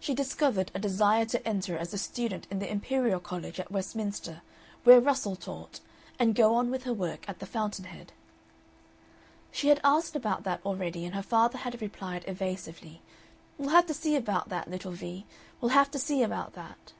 She discovered a desire to enter as a student in the Imperial College at Westminster, where Russell taught, and go on with her work at the fountain head. She had asked about that already, and her father had replied, evasively: "We'll have to see about that, little Vee; we'll have to see about that."